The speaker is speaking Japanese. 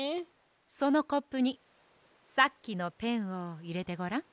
そのコップにさっきのペンをいれてごらん。